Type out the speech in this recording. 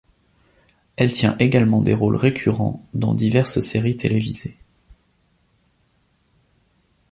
Elle tient également des rôles récurrents dans diverses séries télévisées.